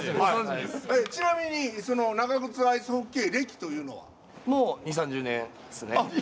ちなみに長ぐつアイスホッケー歴もう２０３０年ですね。